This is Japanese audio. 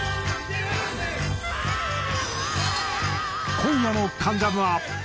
今夜の『関ジャム』は。